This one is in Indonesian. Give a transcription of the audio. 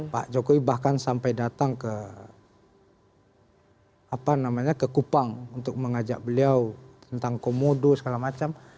pak jokowi bahkan sampai datang ke kupang untuk mengajak beliau tentang komodo segala macam